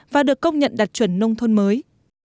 và được công nhận đạt chuẩn nông thôn mới